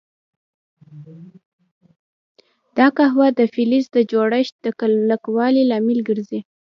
دا قوه د فلز د جوړښت د کلکوالي لامل ګرځي.